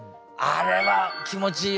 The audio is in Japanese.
あれ気持ちいい。